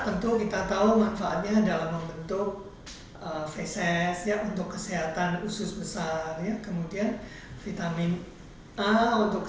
tentu kita tahu manfaatnya dalam membentuk veses untuk kesehatan usus besar kemudian vitamin a untuk